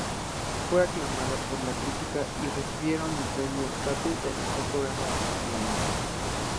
Fue aclamada por la crítica, recibiendo el Premio Tato a Mejor Programa del año.